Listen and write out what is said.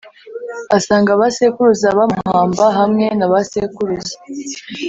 asanga ba sekuruza bamuhamba hamwe na ba sekuruza